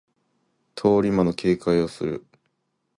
通り魔の警戒をする